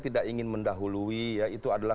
tidak ingin mendahului ya itu adalah